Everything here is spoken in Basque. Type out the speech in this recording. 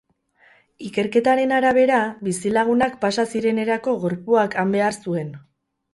Ikerketaren arabera, bizilagunak pasa zirenerako gorpuak han behar zuen.